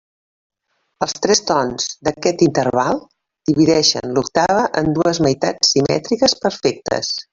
Els tres tons d'aquest interval divideixen l'octava en dues meitats simètriques perfectes.